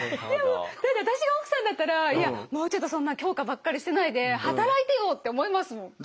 でも私が奥さんだったらいやもうちょっとそんな狂歌ばっかりしてないで働いてよって思いますもん。